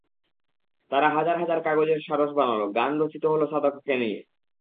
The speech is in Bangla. তারা হাজার হাজার কাগজের সারস বানাল, গান রচিত হলো সাদাকোকে নিয়ে।